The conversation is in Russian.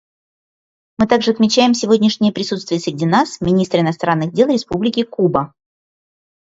Мы также отмечаем сегодняшнее присутствие среди нас министра иностранных дел Республики Куба.